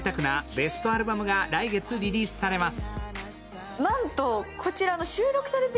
ベストアルバムが来月リリースされます。